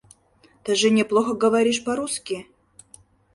Ты же неплохо говоришь по-русски.